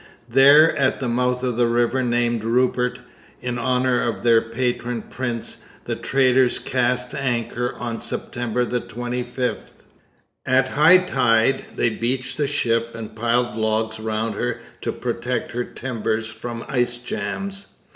There, at the mouth of the river named Rupert in honour of their patron prince, the traders cast anchor on September 25. At high tide they beached the ship and piled logs round her to protect her timbers from ice jams.